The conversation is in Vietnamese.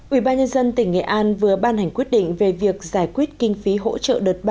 ủy ban nhân dân tỉnh nghệ an vừa ban hành quyết định về việc giải quyết kinh phí hỗ trợ đợt ba